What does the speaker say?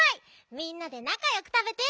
みんなでなかよくたべてって。